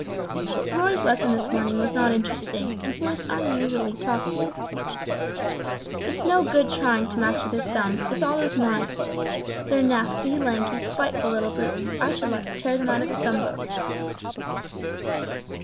But Roy's lesson this morning was not interesting, and he was unusually talkative. "It's no good trying to master this sum, it's all those nines. They're nasty, lanky, spiteful little brutes, I should like to tear them out of the sum books."